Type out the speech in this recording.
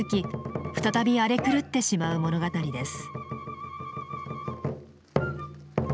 再び荒れ狂ってしまう物語です。